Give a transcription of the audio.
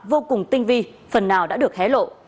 vô cùng tinh vi phần nào đã được hé lộ